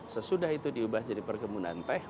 sesudah itu diubah jadi perkebunan teh